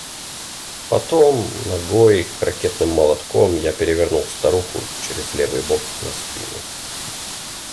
Потом ногой и крокетным молотком я перевернул старуху через левый бок на спину.